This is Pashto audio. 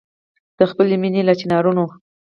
د خپلي مېني له چنارونو